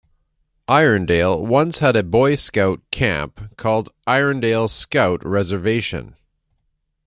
Irondale once had a Boy Scout camp, called Irondale Scout Reservation.